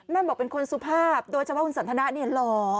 บอกเป็นคนสุภาพโดยเฉพาะคุณสันทนะเนี่ยหล่อ